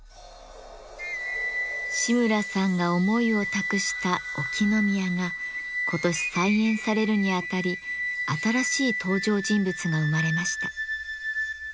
志村さんが思いを託した「沖宮」が今年再演されるにあたり新しい登場人物が生まれました。